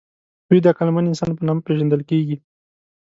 دوی د عقلمن انسان په نامه پېژندل کېږي.